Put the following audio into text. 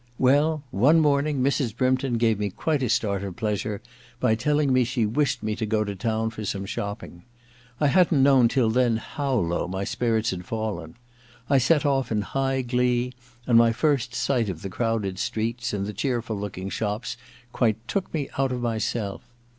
Well, one morning Mrs. Brympton gave me quite a start of pleasure by telling me she isdshed me to go to town for some shopping. I hadn't known II THE LADY'S MAID'S BELL 135 till then how low my spirits had fallen. I set off in high glee, and my first sight of the crowded streets and the cheerful looking shops quite took me out of myself.